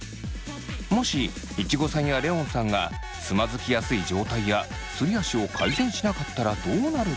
もしいちごさんやレオンさんがつまずきやすい状態やすり足を改善しなかったらどうなるか。